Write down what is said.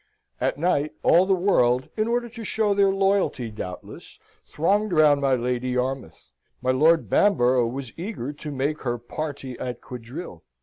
At night, all the world, in order to show their loyalty, doubtless, thronged round my Lady Yarmouth; my Lord Bamborough was eager to make her parti at quadrille.